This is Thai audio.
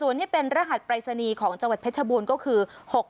ส่วนที่เป็นรหัสปรายศนีย์ของจังหวัดเพชรบูรณ์ก็คือ